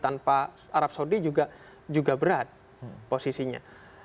tanpa arab saudi juga berat posisinya